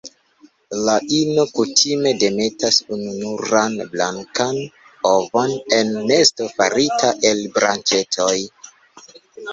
La ino kutime demetas ununuran blankan ovon en nesto farita el branĉetoj.